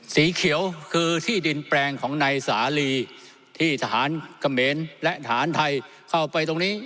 สีเขียวคือที่ดินแปลงของนายสาลีที่ทหารเขมรและทหารไทยเข้าไปตรงนี้